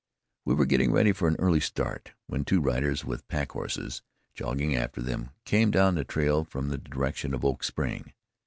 We were getting ready for an early start, when two riders, with pack horses jogging after them, came down the trail from the direction of Oak Spring.